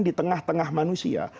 di tengah tengah manusia